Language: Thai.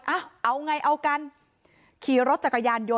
เมื่อเวลาอันดับ